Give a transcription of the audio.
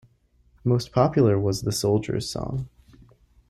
Most popular was "The Soldier's Song".